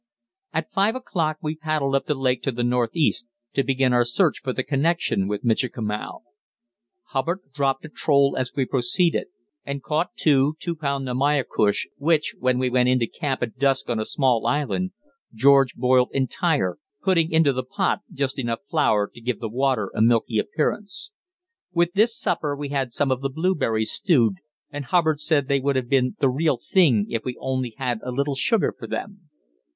At five o'clock we paddled up the lake to the northeast, to begin our search for the connection with Michikamau. Hubbard dropped a troll as we proceeded, and caught two two pound namaycush, which, when we went into camp at dusk on a small island, George boiled entire, putting into the pot just enough flour to give the water a milky appearance. With this supper we had some of the blueberries stewed, and Hubbard said they would have been the "real thing if we only had a little sugar for them."